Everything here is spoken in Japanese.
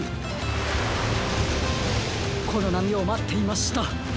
このなみをまっていました。